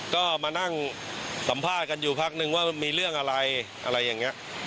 ก็มานั่งสัมภาษณ์กันอยู่พักนึงว่ามีเรื่องอะไรอะไรอย่างนี้